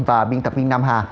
và biên tập viên nam hà